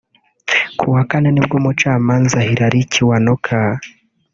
Ku wa Kane nibwo Umucamanza Hilary Kiwanuka